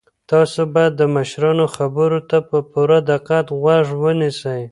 تاسو باید د مشرانو خبرو ته په پوره دقت غوږ ونیسئ.